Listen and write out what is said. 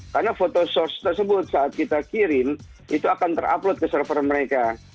karena foto source tersebut saat kita kirim itu akan ter upload ke server mereka